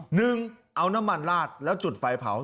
หนึ่งเอาน้ำมันลาดแล้วจุดไฟเผา